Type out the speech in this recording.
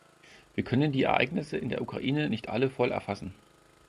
Wir können die Ereignisse in der Ukraine nicht alle voll erfassen.